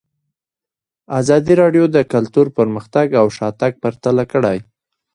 ازادي راډیو د کلتور پرمختګ او شاتګ پرتله کړی.